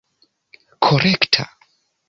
korekta